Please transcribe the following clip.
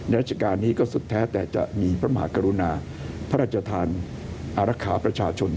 ราชการนี้ก็สุดแท้แต่จะมีพระมหากรุณาพระราชทานอารักษาประชาชน